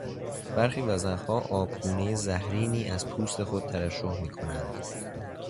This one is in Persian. برخی وزغها آبگونهی زهرینی از پوست خود ترشح میکنند.